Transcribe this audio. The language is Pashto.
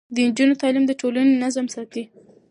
د نجونو تعليم د ټولنې نظم ساتي.